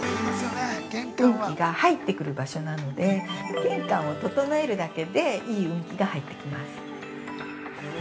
運気が入ってくる場所なので、玄関を整えるだけで、いい運気が入ってきます。